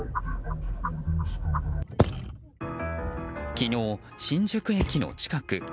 昨日、新宿駅の近く。